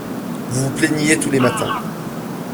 Vous vous plaigniez tous les matins.